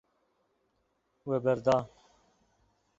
We berda.